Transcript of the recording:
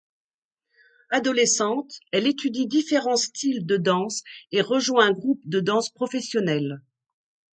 Adolescente, elle étudie différents styles de danse et rejoint un groupe de danse professionnelle.